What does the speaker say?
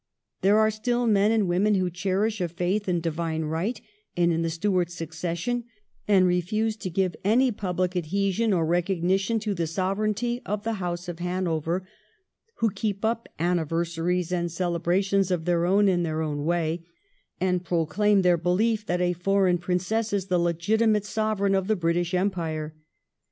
There are still men and women who cherish a faith in divine right and in the Stuart succession, and refuse to give any pubhc adhesion or recognition to the sovereignty of the House of Hanover ; who keep up anniversaries and celebrations of their own in their own way, and proclaim their behef that a foreign Princess is the legitimate Sovereign of the British Empire.